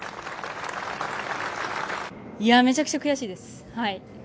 めちゃくちゃ悔しいです。